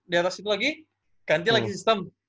di atas itu lagi ganti lagi sistem